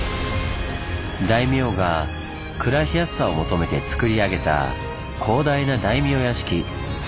大名が暮らしやすさを求めてつくり上げた広大な大名屋敷。